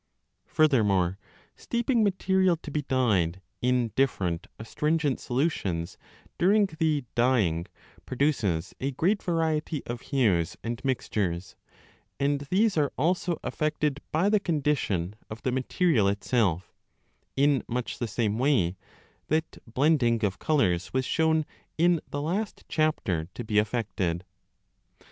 Furthermore, steeping material to be dyed in different astringent solutions 30 during the dyeing produces a great variety of hues and mixtures, and these are also affected by the condition of the material itself, in much the same way that blending of colours was shown in the last chapter to be affected.